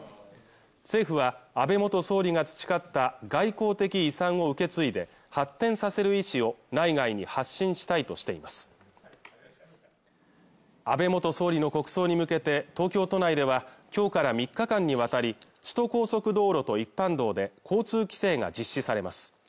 政府は安倍元総理が培った外交的遺産を受け継いで発展させる意思を内外に発信したいとしています安倍元総理の国葬に向けて東京都内では今日から３日間にわたり首都高速道路と一般道で交通規制が実施されます